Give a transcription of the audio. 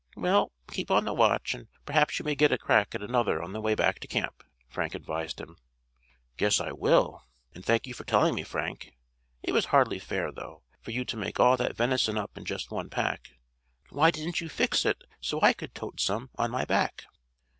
"Well, keep on the watch, and perhaps you may get a crack at another on the way back to camp," Frank advised him. "Guess I will, and thank you for telling me, Frank. It was hardly fair, though, for you to make all that venison up in just one pack. Why didn't you fix it so I could tote some on my back?"